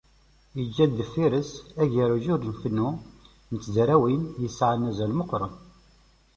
Yeǧǧa-d deffir-is agerruj ur nfennu n tezrawin yesεan azal meqqren.